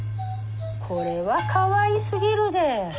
これはかわいすぎるで。